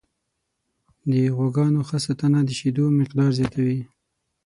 د غواګانو ښه ساتنه د شیدو مقدار زیاتوي.